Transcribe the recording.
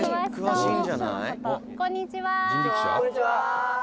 「こんにちは」